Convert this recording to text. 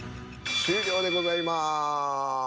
終了でございます。